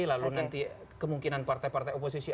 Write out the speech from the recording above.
lalu nanti kemungkinan partai partai oposisi